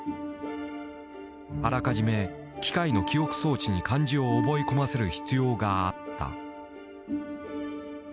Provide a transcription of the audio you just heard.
あらかじめ機械の記憶装置に漢字を覚え込ませる必要があった。